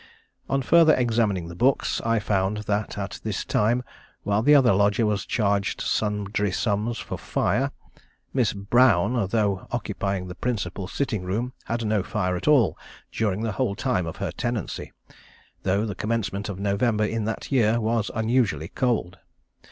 On further examining the books, I found that at this time, while the other lodger was charged sundry sums for fire, Miss Brown, though occupying the principal sitting room, had no fire at all during the whole time of her tenancy, though the commencement of November in that year was unusually cold.